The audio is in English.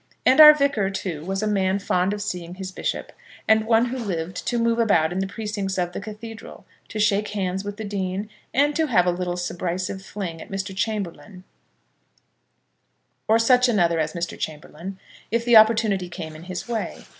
And our Vicar, too, was a man fond of seeing his bishop, and one who loved to move about in the precincts of the cathedral, to shake hands with the dean, and to have a little subrisive fling at Mr. Chamberlaine, or such another as Mr. Chamberlaine, if the opportunity came in his way.